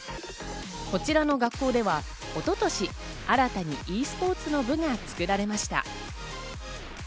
こちらの学校では一昨年、新たにｅスポーツの部が作られました。